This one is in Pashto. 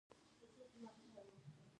مېس ګېج بوتلونه په چانټه کې واچول.